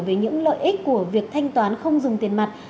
về những lợi ích của việc thanh toán không dùng tiền mặt